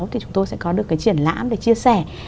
thì chúng tôi sẽ có được cái triển lãm để chia sẻ